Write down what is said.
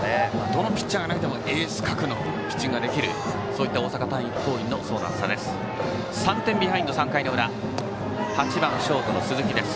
どのピッチャーが投げてもエース格のピッチングができるそういった大阪桐蔭の層の厚さです。